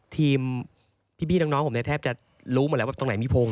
ทีมพี่บี้น้องผมแทบจะรู้หมดแล้วว่าตรงไหนมีโพง